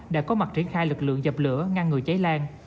đã có mặt triển khai lực lượng dập lửa ngăn ngừa cháy lan